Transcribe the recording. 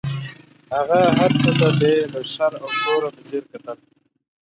هغه هر څه ته بې له شر او شوره په ځیر کتل.